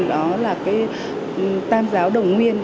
đó là cái tam giáo đồng nguyên